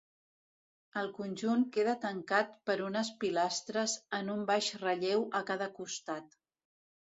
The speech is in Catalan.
El conjunt queda tancat per unes pilastres en un baix relleu a cada costat.